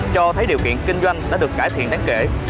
cho thấy điều kiện kinh doanh đã được cải thiện đáng kể